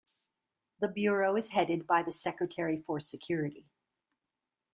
The bureau is headed by the Secretary for Security.